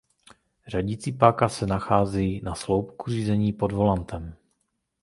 Řadicí páka se nachází na sloupku řízení pod volantem.